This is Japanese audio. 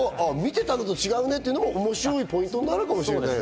体感と見てたのも違うねっていうのも面白いポイントになるかもしれない。